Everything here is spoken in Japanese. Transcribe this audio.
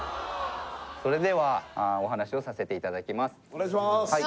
それではお話をさせていただきます。